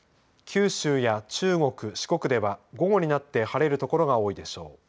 九州や中国、四国では午後になって晴れる所が多いでしょう。